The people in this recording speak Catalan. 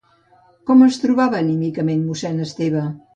Com es trobava anímicament mossèn Esteve?